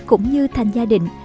cũng như thanh gia đình